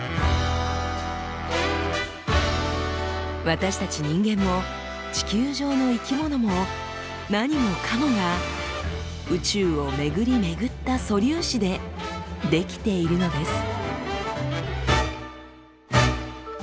私たち人間も地球上の生き物も何もかもが宇宙を巡り巡った素粒子で出来ているのです。